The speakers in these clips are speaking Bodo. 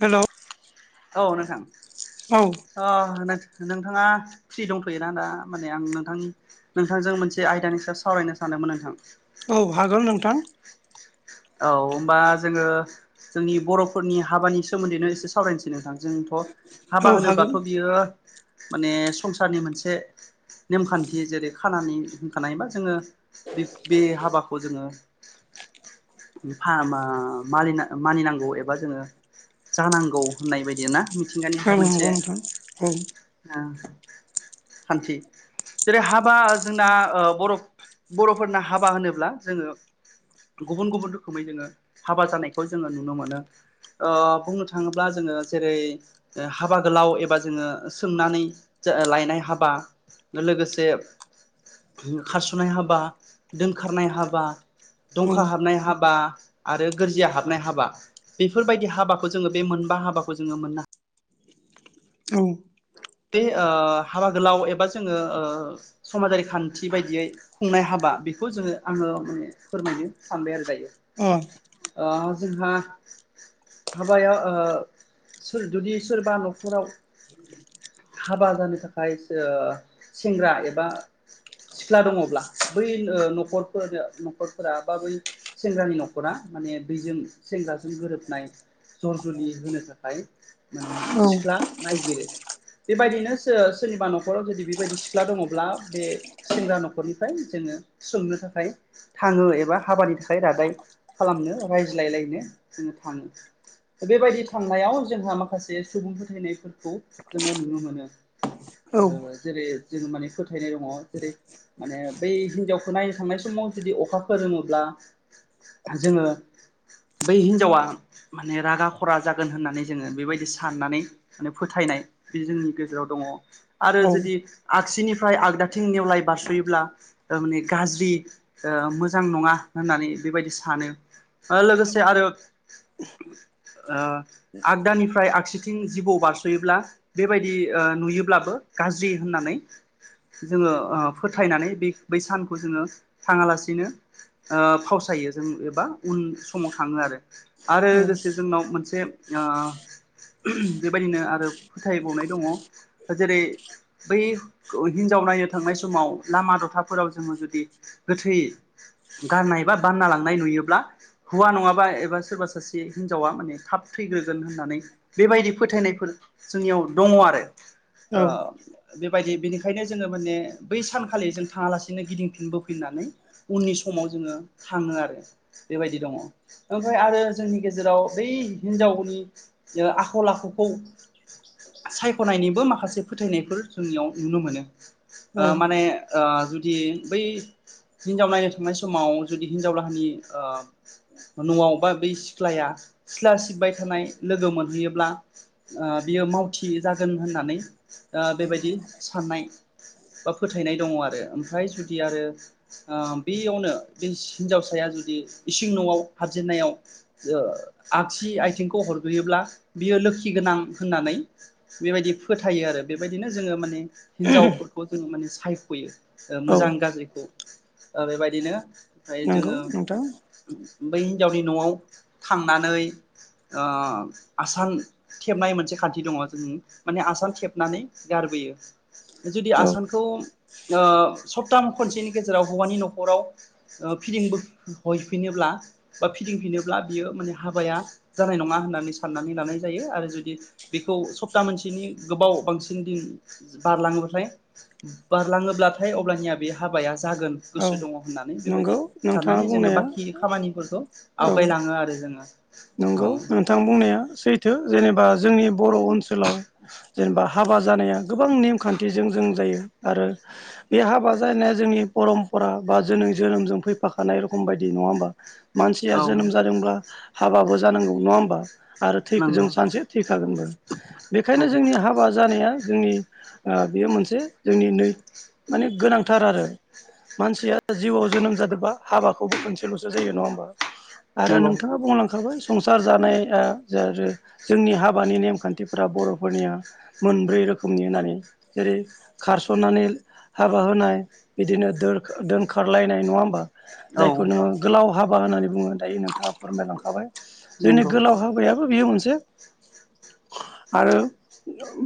हेल'। औ नोंथां। औ। अ 'नोंथाङा फ्रि दंथ'योना दा माने आं नोंथांनि नोंथांजों मोनसे आयदानि सायाव सावरायनो सानदोंमोन नोंथां। औ हागोन नोंथां। औ होमबा जोंङो जोंनि बर'फोरनि हाबानि सोमोन्दैनो एसे सावरायनोसै नोंथां जोंथ' औ हाबा हागोन होनोब्लाथ' बियो माने संसारनि मोनसे नेमखान्थि जेरै खानानि होखानायबा जोंङो बे बे हाबाखौ जोंङो फाहामा मानि मानिनांगौ एबा जोंङो जानांगौ होननाय बायदिय ना औ मिथिंगानिफ्राय नंगौ मोनसे नोंथां ओ खान्थि। जेरै हाबा जोंना ओ बर'-बर'फोरना हाबा होनोब्ला जोङो गुबुन गुबुन रोखोमै जोङो हाबा जानायखौ जोङो नुनो मोनो। ओ बुंनो थाङोब्ला जोङो जेरै हाबा गोलाव एबा जोङो सोंनानै लायनाय हाबा लोगोसे खारस'ननाय हाबा दोनखारनाय हाबा औ दंखा हाबनाय हाबा आरो गोरजिया हाबनाय हाबा बेफोरबायदि हाबाखौ जोङो बे मोनबा हाबाखौ जोङो मोननो हायो। औ बे हाबा गोलाव एबा जोङो समाजारि खान्थि बायदियै खुंनाय हाबा बेखौ जोङो आङो माने फोरमायनो सानबाय आरो दायो। ओ जोंहा हाबाया ओ सोर जुदि सोरबा न'खराव हाबा जानो थाखाय ओ सेंग्रा एबा सिख्ला दङब्ला बै न'खरफोर न'खरफोरा बा बै सेंग्रानि न'खरा माने दैजों सेंग्राजों गोरोबनाय। जर जुलि होनो थाखाय माने सिख्ला नायगिरो। बेबायदिनो सोरनिबा न'खराव जुदि बेबायदि सिख्ला दङब्ला बे सेंग्रा न'खरनिफ्राय जोङो सोंनो थाखाय थाङो एबा हाबानि थाखाय रादाय खालामनो रायज्लायलायनो जोङो थाङो। बेबायदि थांनायाव जोंहा माखासे सुबुं फोथायनायफोरखौ जोङो नुनो मोनो। औ ओ जेरै जोङो माने फोथायनाय दङ जेरै माने बै हिनजावखौ नायनो थांनाय समाव जुदि अखा खोरोमोब्ला जोङो बै हिन्जावा माने रागा खरा जागोन होननानै जोङो बेबायदि साननानै माने फोथायनाय बे जोंनि गेजेराव दङ। अ आरो औ जुदि आगसिनिफ्राय आगदाथिं नेवलाय बारस'योब्ला माने गाज्रि ओ मोजां नङा होननानै बेबायदि सानो लोगोसे आरो। ओ आगदानिफ्राय आगसिथिं जिबौ बारस'योब्ला बेबायदि नुयोब्लाबो गाज्रि होननानै जोङो फोथायनानै बे बै सानखौ जोङो थाङालासिनो फावसायो जों एबा उन समाव थाङो आरो। आरो लोगोसे जोंनाव मोनसे ओ बेबायदिनो आरो फोथायबावनाय दङ जेरै बै हिनजाव नायनो थांनाय समाव लामा दथाफोराव जोङो जुदि गोथै गारनाय बा बानना लांनाय नुयोब्ला हौवा नङाबा एबा सोरबा सासे हिनजावा माने थाब थैग्रोगोन होननानै बेबायदि फोथायनायफोर जोंनियाव दङ आरो। औ बेबायदि बेनिखायनो जोङो माने बै सानखालि जों थाङालासिनो गिदिंफिनबोफिननानै उननि समाव जोङो थाङो आरो। बेबायदि दङ ओमफ्राय आरो जोंनि गेजेराव बै हिनजावनि जोङो आखल आखुखौ सायख'नायनिबो माखासे फोथायनायफोर जोंनियाव नुनो मोनो औ ओ माने ओ जुदि बै हिन्जाव नायनो थांनाय समाव जुदि हिन्जाव लागोनि ओ न'आव बा बै सिख्लाया सिख्ला सिबबाय थानाय लोगो मोनहैयोब्ला ओ बियो मावथि जागोन होननानै ओ बेबायदि साननाय बा फोथायनाय दङ आरो ओमफ्राय जुदि आरो ओ बेयावनो बे हिनजावसाया जुदि इसिं न'आव हाबजेनन्नायाव आगसि आथिंखौ हरग्रोयोब्ला बियो लोखि गोनां होननानै बेबायदि फोथायो आरो बेबायदिनो जोङो माने हिनजावफोरखौ जोंङो माने सायख'यो ओ औ मोजां गाज्रिखौ ओ बेबायदिनो फ्राय नंगौ जोंङो नोंथां बै हिन्जावनि न'आव थांनानै ओ आसान खेबनाय मोनसे खान्थि दङ जों माने आसाम खेबनानै गारबोयो। जुदि औ आसानखौ ओ सप्ता खनसेनि गेजेराव हौवानि न'खराव फिदिंबो हफिनोब्ला बा फिदिंफिनोब्ला बियो माने हाबाया जानाय नंङा होननानै साननानै लानाय जायो आरो जुदि बेखौ सप्ता मोनसेनि गोबाव बांसिन दिन बारलांङोब्लाथाय बारलांङोब्लाथाय अब्लानिया बे हाबाया जागोन औ गोसो दंङ होननानै बेबायदि नंगौ नोंथाङा साननानै जोंङो बुंनाया बाखि खामानिफोरखौ औ आवगायलांङो आरो जोंङो नंगौ नोंथां बुंनाया सैथो जेनेबा जोंनि बर' ओनसोलाव जेनेबा हाबा जानाया गोबां नेमखान्थिजों जों जायो आरो बे हाबा जाहानाया जोंनि परम्परा बा जोनै जोनोमजों फैफाखानाय रखम बायदि नंङा होमबा मानसिया औ जोनोम जादोंब्ला हाबाबो जानांगौ नंङा होमबा आरो थै जों नंगौ सानसे थैखागोनबो औ बेखायनो जोंनि हाब हाबा जानाया जोंनि ओ बेयो मोनसे जोंनि नै माने गोनांथार आरो मानसिया जिउआव जोनोम जादोंबा हाबाखौबो खनसेल'सो जायो नंङा होमबा आरो नंगौ नोंथांङा बुंलां संसार जानाया जोंनि हाबानि नेमखान्थिफोरा बर'फोरनिया मोनब्रै रोखोमनि होननानै जेरै खारस'ननानै हाबा होनाय बिदिनो दोर दोनखारलायनाय नंङा होमबा औ जायखौ नोंङो गोलाव हाबा होननानै बुंङो दायो नोंथांङा फोरमायलांखाबाय जोंनि नंगौ गोलाव माबा बायाबो बियो मोनसे आरो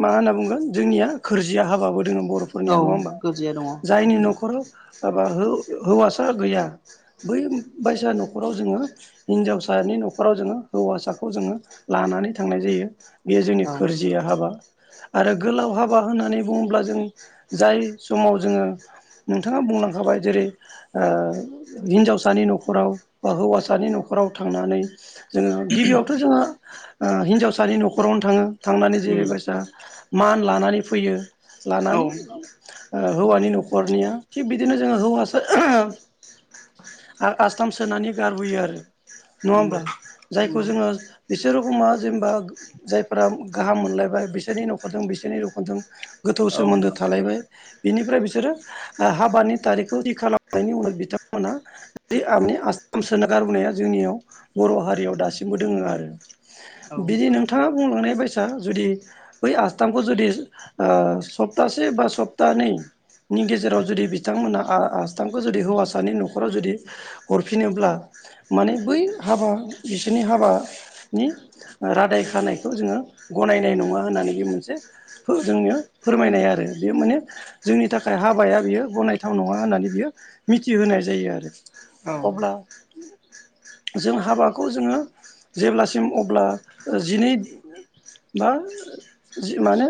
मा होनना बुंगोन जोंनिया खोरजिया हाबाबो दोंङो औ बर'फोरनिया नंङा होमबा गोरजिया दङ जायनि ओमफ्राय न'खराव हाबा हो-हौवासा गैया बै बायसा न'खराव जोंङो हिनजावसा फिसानि न'खराव जोंङो हौवासाखौ जोंङो लानानै थांनाय जायो। बेयो जोंनि औ खोरजिया हाबा आरो गोलाव हाबा होननानै बुंङोब्ला जों जाय समाव जोंङो नोंथांङा बुंलांखाबाय जेरै ओ हिन्जावसानि न'खराव बा हौवासानि न'खराव थांनानै जोंङो गिबियावथ' जोंङो ओ हिनजावसानि न'खरावनो थांङो । थांनानै उम जेरैबायसा मान लानानै फैयो लानानै औ ओ हौवानि न'खरनिया थिग बिदिनो जोंङो हौवासा आर आसथाम सोनानै गारबोयो आरो नंङा नंगौ होमब्ला जायखौ नंगौ जोंङो बिसोर रोखोमा जेनेबा जायफ्रा गाहाम मोनलायबाय बिसोरनि नखरजों बिसोरनि नखरजों गोथौ औ सोमोन्दो थालायबाय बिनिफ्राय बिसोरो ओ हाबानि थारिखखौ थि खालामनायनि उनाव बिथांमोना बे आंनि आस्थाम सोना गारबोनाया जोंनियाव बर' हारियाव दासिमबो दोंङो आरो औ बिदि नों नोंथांङा बुंलांनाय बायसा जुदि बै आस्थामखौ जुदि ओ सप्तासे बा सप्तानै नि गेजेराव जुदि बिथांमोना आ आस्थामखौ जुदि हौवासानि न'खराव जुदि हरफिनोब्ला माने बै हाबा बिसोरनि हाबा नि रादाय खानायखौ जोंङो गनायनाय नंङा होननानै बे मोनसे फो जोंनिया फोरमायनाय आरो बे माने जोंनि थाखाय हाबाया बियो गनायथाव नंङा होननानै बियो मिथिहोनाय जायो आरो। औ अब्ला जों हाबाखौ जोङो जेब्लासिम अब्ला जिनै बा जि माने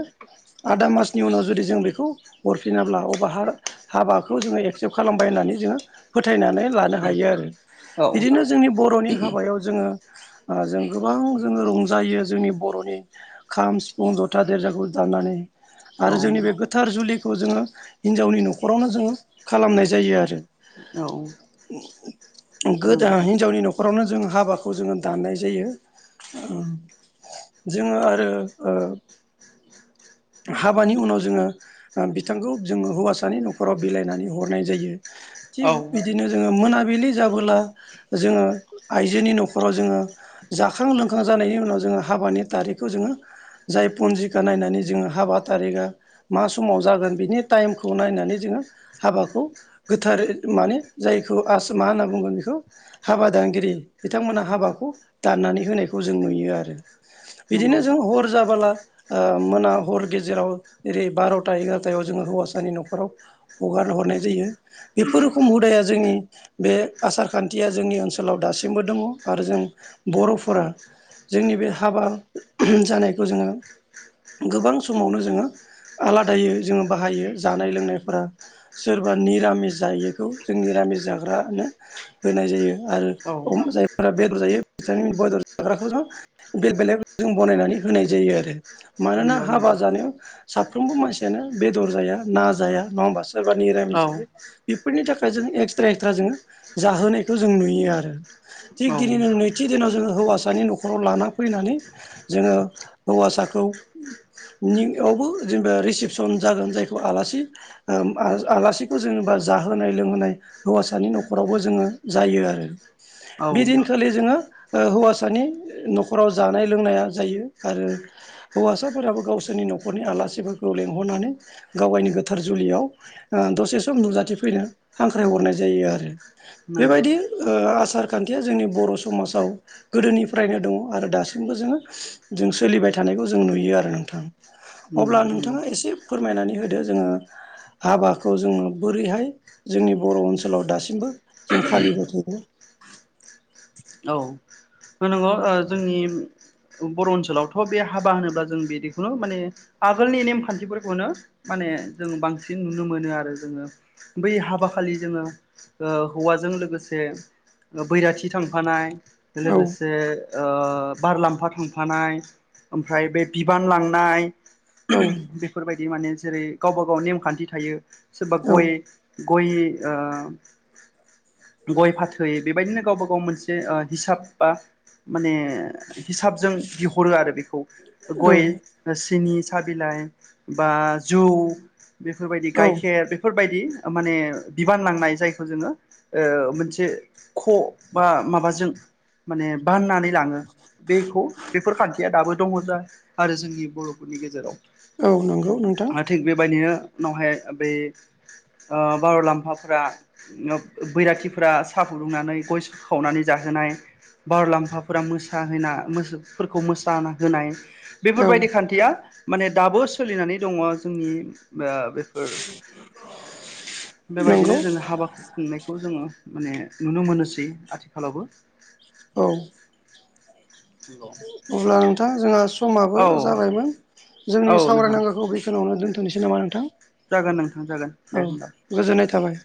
आदा मासनि उनाव जुदि जों बेखौ हरफिनाब्ला अबा हार हाबाखौ जोङो एक्सेप्ट खालामबाय होननानै जोङो फोथायनानै लानो हायो आरो औ बिदिनो जोंनि बर'नि हाबायाव जोङो आ जों गोबां जोङो रंजायो जोंनि बर'नि खाम सिफुं जथा देरजाखौ दामनानै औ आरो जोंनि बे गोथार जुलिखौ जोंङो हिनजावनि न'खरावनो जोंङो खालामनाय जायो आरो। औ गोदा नंगौ हिनजावनि न'खरावनो जों हाबाखौ जोंङो दाननाय जायो ओ जोंङो आरो ओ हाबानि उनाव जोंङो ओ बिथांखौ जोंङो हौवासानि न'खराव बिलाइनानै हरनाय जायो। थिग औ बिदिनो जोङो मोनाबिलि जाबोला जोङो आइजोनि न'खराव जोङो जाखां लोंखां जानायनि उनाव जोङो हाबानि थारिखखौ जोङो जाय पुन्जिखा नायनानै जोङो हाबा थारिगआ मा समाव जागोन बिनि टाइमखौ नायनानै जोङो हाबाखौ गोथार माने जायखौ आस मा होनना बुंगोन बेखौ हाबा दानगिरि बिथांमोना हाबाखौ दाननानै होनायखौ जों नुयो आरो। नंगौ बिदिनो जों हर जाबोला। ओ मोना हर गेजेराव ओरै बार'ता एगार'थायाव जोङो हौवासानि न'खराव हगार हरनाय जायो बेफोर रोखोम हुदाया जोंनि बे आसार खान्थिया जोंनि ओनसोलाव दासिमबो दङ आरो जों बर'फोरा जोंनि बे हाबा जानायखौ जोङो गोबां समावनो जोङो आलादायै जोङो बाहायो जानाय लोंनायफोरा सोरबा निरामिस जायोखौ जों निरामिस जाग्रानो होनाय जायो औ आरो जायफोरा बेदर जायो बिथांनि बेदर जाग्राखौ जों बेल बेलायाव जों बनायनानै होनाय जायो आरो। मानोना नंगौ नंगौ हाबा जानायाव साफ्रोमबो मानसियानो बेदर जाया ना जाया नङा होमबासो सोरबा निरामिस औ जायो बेफोरनि थाखाय जों एक्सट्रा एक्सट्रा जोङो। जाहोनायखौ जों नुयो आरो। थिग औ दिनैनो नैथि दिनाव जोङो हौवासानि न'खराव लाना फैनानै जोङो हौवासाखौ नियावबो जेनेबा रिसिपसन जागोन जायखौ आलासि ओ आ आलासिखौ जेनेबा जाहोनाय लोंहोनाय हौवासानि न'खरावबो जोङो जायो आरो औ बेदिनखालि जोङो ओ हौवासानि न'खराव जानाय लोंनाया जायो आरो। हौवासाफोराबो गावसोरनि न'खरनि आलासिफोरखौ लेंहरनानै गावायनि गोथार जुलियाव आ दसे सम नुजाथिफैनो हांख्राय हरनाय जायो आरो। नंगौ बेबायदि ओ आसार खान्थिया जोंनि बर' समाजाव गोदोनिफ्रायनो दङ' आरो दासिमबो जोङो जों सोलिबाय थानायखौ जों नुयो आरो नोंथां। उम अब्ला नंगौ नोंथाङा एसे फोरमायनानै होदो जोङो हाबाखौ जोङो बोरैहाय जोंनि बर' ओनसोलाव दासिमबो जों फालिबाय थादों। औ। ओ-ओ जोंनि- बर' ओनसोलावथ' बे हाबा होनोब्ला जों बिदिखौनो माने आगोलनि नेमखान्थिफोरखौनो। माने जों बांसिन नुनो मोनो आरो जोङो। बै हाबा खालि जोङो ओ हौवाजों लोगोसे बैराथि थांफानाय औ लोगोसे ओ बार लामफा थांफानाय ओमफ्राय बे बिबान लांनाय। औ बेफोरबायदि माने जेरै गावबा गाव नेमखान्थि थायो सोरबा औ गय गय आ गय फाथै बेबायदिनो गावबा गाव मोनसे हिसाब बा माने हिसाबजों बिहरो आरो बेखौ औ गय। सिनि, सा बिलाइ, बा जौ बेफोरबायदि औ गाइखेर बे बफोरबायदि माने बिबान लांनाय जायखौ जोङो ओ मोनसे ख बा माबाजों माने बाननानै लाङो बेखौ बेफोर खान्थिया दाबो दङ जा आरो जोंनि बर'फोरनि गेजेराव। औ नंगौ नोंथां। थिग बेबायदिनो उनावहाय बै ओ बार'लाम्फाफोरा बैराथिफोरा साहा फुदुंनानै गय खावनानै जाहोनाय। बारुलाम्फाफोरा मोसाहोना मोसफोरखौ मोसा होनाय। औ बेफोरबायदि खान्थिया माने दाबो सोलिनानै दङ जोंनि आ। फोर नंगौ बेबायदिनो जोङो हाबाखौ खुंनायखौ जोङो माने नुनो मोनोसै आथिखालावबो। औ। [unintelligible] अब्ला नोंथां जोंहा समाबो औ जाबायमोन जोंनि औ नोंथां सावरायनांगौखौ बे सोरनावनो दोनथ'सै नामा नोंथां? जागोन नोंथां जागोन औ दे होमबा। गोजोननाय थाबाय।